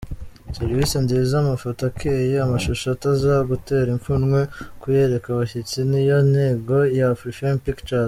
Serivisi nziza, amafoto akeye, amashusho atazagutera ipfunwe kuyereka abashyitsi niyo ntego ya Afrifame Pictures.